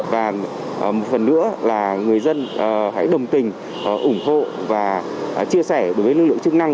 và một phần nữa là người dân hãy đồng tình ủng hộ và chia sẻ đối với lực lượng chức năng